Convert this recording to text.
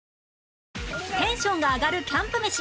テンションが上がるキャンプ飯